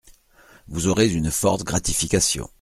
Vous aurez une forte gratification.